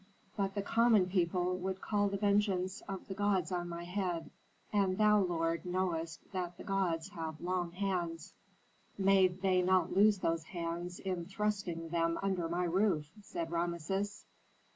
But the common people would call the vengeance of the gods on my head, and thou, lord, knowest that the gods have long hands." "May they not lose those hands in thrusting them under my roof," said Rameses.